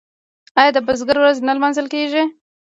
آیا د بزګر ورځ نه لمانځل کیږي؟